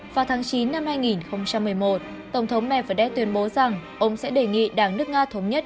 vào tháng chín năm hai nghìn một mươi một tổng thống mè vật đét tuyên bố rằng ông sẽ đề nghị đảng nước nga thống nhất